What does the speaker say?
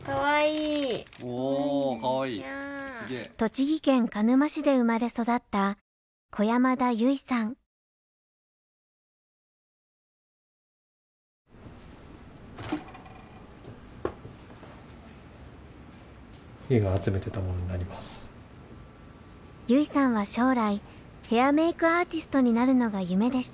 栃木県鹿沼市で生まれ育った優生さんは将来ヘアメイクアーティストになるのが夢でした。